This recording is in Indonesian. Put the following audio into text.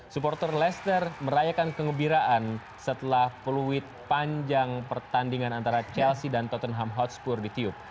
supporter leicester merayakan kegembiraan setelah peluit panjang pertandingan antara chelsea dan tottenham hotspur ditiup